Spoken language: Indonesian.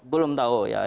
belum tahu ya